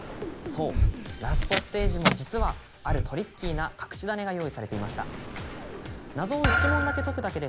そうＬＡＳＴステージも実はあるトリッキーな隠しダネが用意されていました。